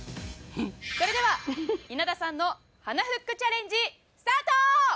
それでは稲田さんの鼻フックチャレンジスタート！